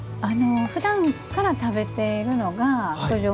ふだんから食べているのが九条